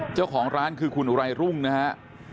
เจ้าของร้านคือคุณอุไรรุ่งนะฮะ